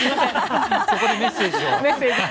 そこでメッセージを。